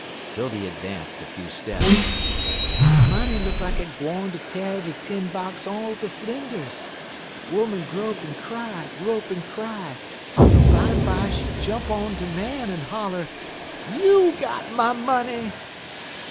_'" 'Tildy advanced a few steps. "Money look like it gwine ter t'ar de tin box all ter flinders. 'Oman grope en cry, grope en cry, tel bimeby she jump on de man en holler: "'_You got my money!